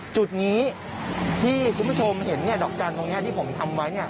จุดนี้ที่คุณผู้ชมเห็นเนี่ยดอกจานตรงเนี่ยที่ผมทำไว้เนี่ย